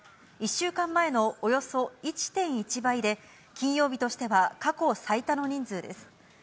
１週間前のおよそ１．１倍で、金曜日としては過去最多の人数です。